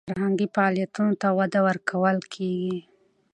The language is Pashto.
فرهنګي فعالیتونو ته وده ورکول کیږي.